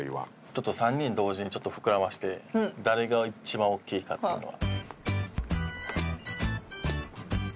ちょっと３人同時に膨らませて誰が一番大きいかっていうのは。